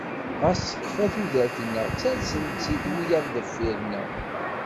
Ɣas tekfa tudert-nneɣ ttalsen-tt-id wiyaḍ deffir-nneɣ.